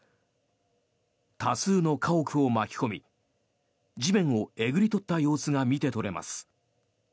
多数の家屋を巻き込み地面をえぐり取った様子が見て取れます。